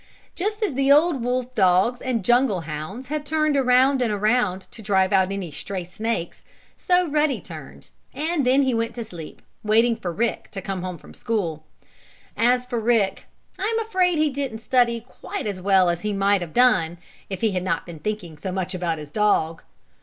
Just as the old wolf dogs and jungle hounds had turned around and around to drive out any stray snakes, so Ruddy turned. And then he went to sleep, waiting for Rick to come home from school. As for Rick, I'm afraid he didn't study quite as well as he might have done if he had not been thinking so much about his dog.